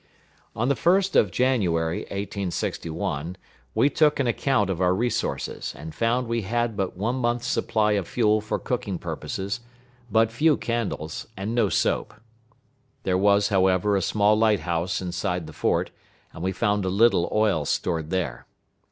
On the 1st of January, 1861, we took an account of our resources, and found we had but one month's supply of fuel for cooking purposes, but few candles, and no soap. There was, however, a small light house inside the fort, and we found a little oil stored there.